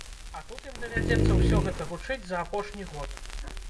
А тут ім давядзецца ўсё гэта вучыць за апошні год.